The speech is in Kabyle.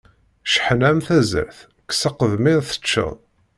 Cceḥna am tazart, kkes aqedmiṛ teččeḍ.